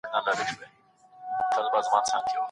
پرتله کول یوازي وخت ضایع کول دي.